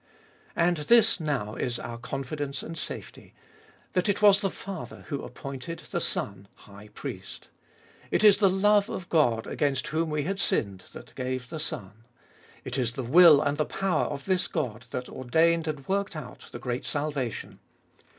And this now is our confidence and safety — that it was the Father who appointed the Son High Priest. It is the love of the God against whom we had sinned that gave the Son. It is the will and the power of this God that ordained and worked out the great salvation.